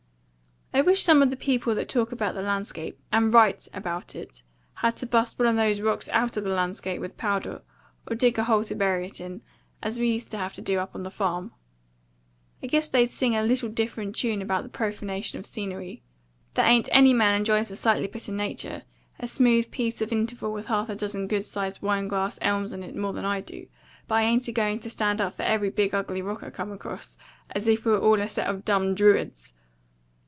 I wish some of the people that talk about the landscape, and WRITE about it, had to bu'st one of them rocks OUT of the landscape with powder, or dig a hole to bury it in, as we used to have to do up on the farm; I guess they'd sing a little different tune about the profanation of scenery. There ain't any man enjoys a sightly bit of nature a smooth piece of interval with half a dozen good sized wine glass elms in it more than I do. But I ain't a going to stand up for every big ugly rock I come across, as if we were all a set of dumn Druids.